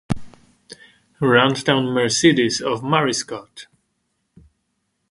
Roundtown Mercedes of Maryscot.